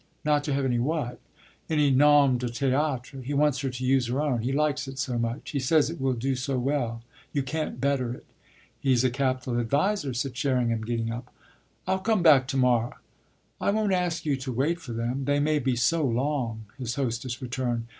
"Not to have any what?" "Any nom de théâtre. He wants her to use her own; he likes it so much. He says it will do so well you can't better it." "He's a capital adviser," said Sherringham, getting up. "I'll come back to morrow." "I won't ask you to wait for them they may be so long," his hostess returned.